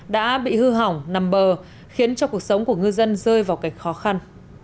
đã bị hư hỏng nằm bờ khiến cho cuộc sống của ngư dân rơi vào cảnh khó khăn